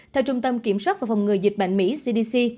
theo trung tâm kiểm soát và phòng ngừa dịch bệnh mỹ cdc